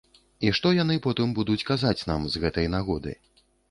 І што яны потым будуць казаць нам з гэтай нагоды.